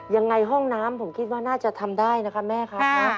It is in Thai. ห้องน้ำผมคิดว่าน่าจะทำได้นะคะแม่ครับ